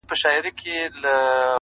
د نیت پاکوالی د لارې وضاحت زیاتوي,